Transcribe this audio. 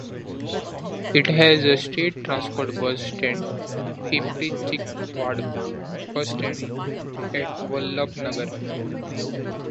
It has a State Transport Bus stand Pimpri-Chinchwad Bus Stand at Vallabhnagar.